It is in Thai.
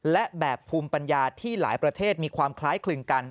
และแบบภูมิปัญญาที่หลายประเทศมีความคล้ายคลึงกัน